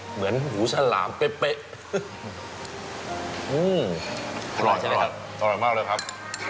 เหมือนหูฉลามเป้ะเปะอื้อหรอใช่ไหมครับตรอดมากเลยครับ